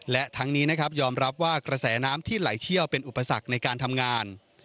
และทั้งนี้นะครับยอมรับว่ากระแสน้ำที่ไหลเชี่ยวเป็นอุปสรรคในการทำงาน